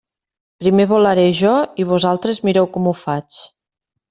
Primer volaré jo i vosaltres mireu com ho faig.